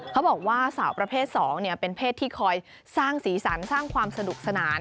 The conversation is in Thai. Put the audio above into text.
เขาบอกว่าสาวประเภท๒เป็นเพศที่คอยสร้างสีสันสร้างความสนุกสนาน